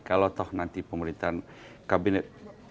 kalau toh nanti pemerintahan kabinet